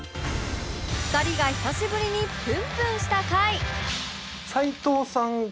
２人が久しぶりにプンプンした回